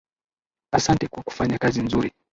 Asante kwa kufanya kazi nzuri.